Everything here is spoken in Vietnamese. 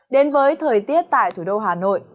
đến với thời tiết tại thủ đô hà nội